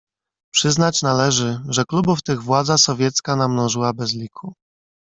"Przyznać należy, że klubów tych władza sowiecka namnożyła bez liku."